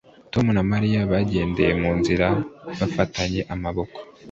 Tom na Mariya bagendeye mu nzira bafatanye amaboko